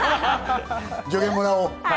助言もらおう！